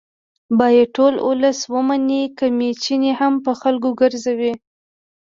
باید ټول ولس ومني که میچنې هم په خلکو ګرځوي